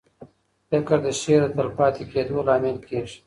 فکر د شعر د تلپاتې کېدو لامل کېږي.